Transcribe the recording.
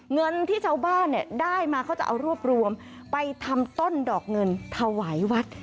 เงินที่ชาวบ้านเนี่ยได้มาเขาจะเอารวบรวมไปทำต้นดอกเงินถวายวัด